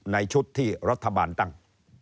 ในชุดที่รัฐบาลตั้ง